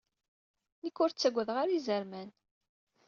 Nekk ur ttagadeɣ ara izerman.